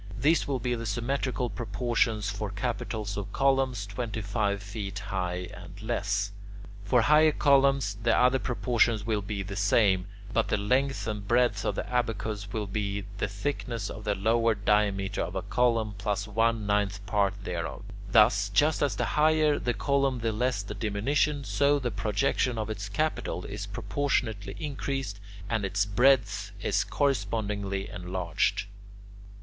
These will be the symmetrical proportions for capitals of columns twenty five feet high and less. For higher columns the other proportions will be the same, but the length and breadth of the abacus will be the thickness of the lower diameter of a column plus one ninth part thereof; thus, just as the higher the column the less the diminution, so the projection of its capital is proportionately increased and its breadth is correspondingly enlarged.